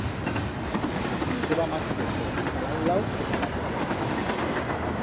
Se meteba mas peso ta la un lau que ta l'atro.